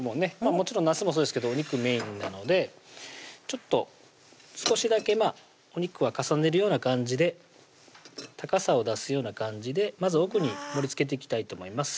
もちろんなすもそうですけどお肉メインなのでちょっと少しだけお肉は重ねるような感じで高さを出すような感じでまず奥に盛りつけていきたいと思います